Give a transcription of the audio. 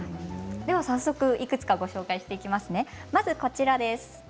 早速いくつかご紹介していきます。